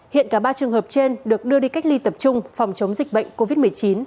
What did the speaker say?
hiện cả ba trường hợp trên được đưa đi cách ly tập trung phòng chống dịch bệnh covid một mươi chín